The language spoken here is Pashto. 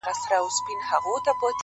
لمرمخی یار چي عادت نه لري د شپې نه راځي _